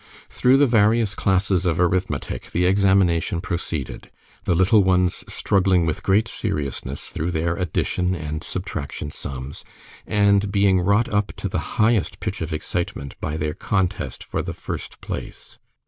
Through the various classes of arithmetic the examination proceeded, the little ones struggling with great seriousness through their addition and subtraction sums, and being wrought up to the highest pitch of excitement by their contest for the first place.